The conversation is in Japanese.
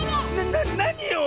ななによ